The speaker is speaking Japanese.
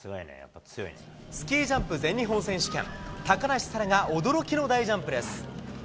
スキージャンプ全日本選手権、高梨沙羅が驚きの大ジャンプです。